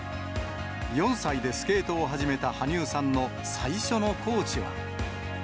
４歳でスケートを始めた羽生さんの最初のコーチは。